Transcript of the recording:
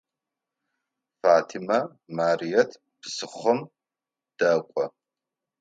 Фатимэ Марыет псыхъом дэкӏо.